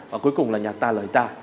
và cuối cùng là nhạc ta lời ta